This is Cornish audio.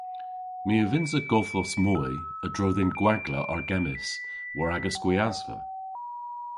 My a vynnsa godhvos moy a-dro dhe'n gwagla argemmynys war agas gwiasva.